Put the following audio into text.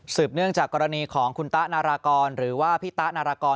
เนื่องจากกรณีของคุณตะนารากรหรือว่าพี่ตะนารากร